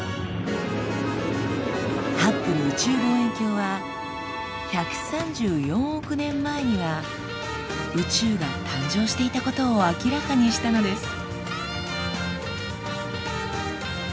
ハッブル宇宙望遠鏡は１３４億年前には宇宙が誕生していたことを明らかにしたのです。